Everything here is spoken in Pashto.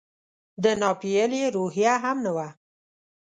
د ناپیېلې روحیه هم نه وه.